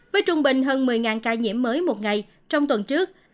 với trung bình hơn một mươi ca nhiễm mới một ngày trong tuần trước